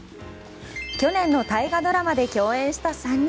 去年の大河ドラマで共演した３人。